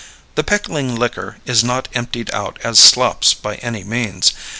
The pickling liquor is not emptied out as slops by any means.